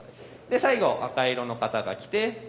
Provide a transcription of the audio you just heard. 最後赤色の方が来て。